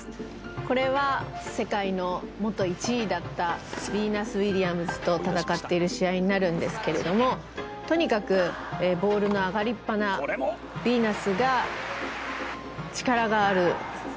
これは世界の元１位だったビーナス・ウィリアムズと戦っている試合になるんですけれどもとにかくボールの上がりっぱなビーナスが力がある手足が長い